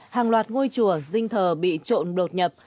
hàng loạt ngôi chùa dinh thờ bị trộn đột nhập